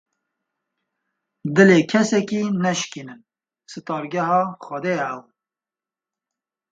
Dilê kesekî neşikînin, sitargeha Xwedê ye ew.